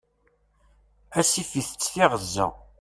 Asif itett tiɣezza.